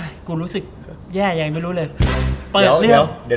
เอ่อกูรู้สึกแย่ยังไม่รู้เลย